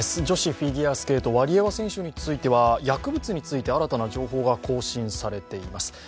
女子フィギュアスケート、ワリエワ選手については薬物について新たな情報が更新されています。